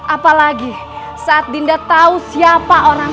apalagi saat dinda tahu siapa orang